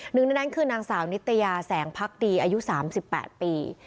หนึ่งในนั้นคือนางสาวนิตยาแสงพักดีอายุ๓๘ปี